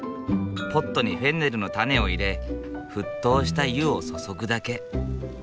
ポットにフェンネルの種を入れ沸騰した湯を注ぐだけ。